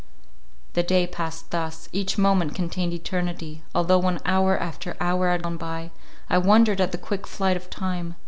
The day passed thus; each moment contained eternity; although when hour after hour had gone by, I wondered at the quick flight of time.